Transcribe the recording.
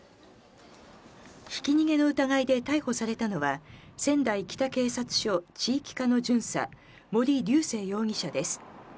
ひき逃げの疑いで逮捕されたのは、仙台北警察署地域課の巡査、森りゅうせい容疑者です。